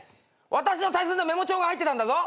私の大切なメモ帳が入ってたんだぞ！？